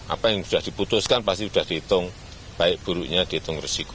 apa yang sudah diputuskan pasti sudah dihitung baik buruknya dihitung risiko